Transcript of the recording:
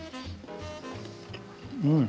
うん。